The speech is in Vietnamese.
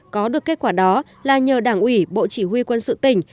có được kết quả đó là nhờ đảng ủy bộ chỉ huy quân sự tỉnh